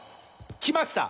きました！